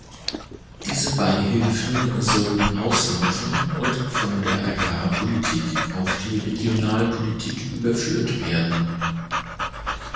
Diese Beihilfen sollten auslaufen und von der Agrarpolitik auf die Regionalpolitik überführt werden.